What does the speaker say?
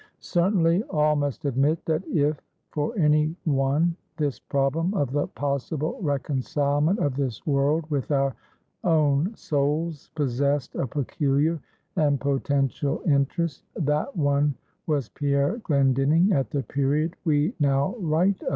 Certainly, all must admit, that if for any one this problem of the possible reconcilement of this world with our own souls possessed a peculiar and potential interest, that one was Pierre Glendinning at the period we now write of.